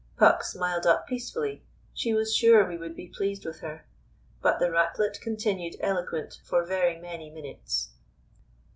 Puck smiled up peacefully. She was sure we would be pleased with her. But the Ratlet continued eloquent for very many minutes.